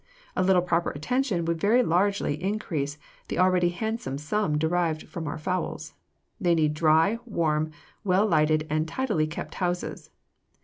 A little proper attention would very largely increase the already handsome sum derived from our fowls. They need dry, warm, well lighted, and tidily kept houses.